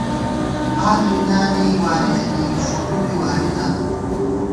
حال دُنیانی واری تھنی، فوٹو بی واری تھنہ